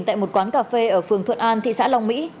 tại một quán cà phê ở phường thuận an thị xã long mỹ